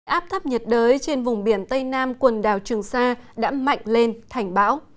áp thấp nhiệt đới trên vùng biển tây nam quần đảo trường sa đã mạnh lên thành bão